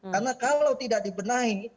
karena kalau tidak dibenahi